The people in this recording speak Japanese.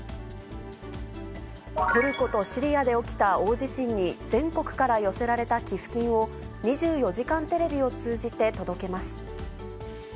トルコとシリアで起きた大地震に全国から寄せられた寄付金を、２４時間テレビを通じて届けます。